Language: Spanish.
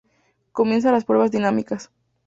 Comienzan las pruebas dinámicas.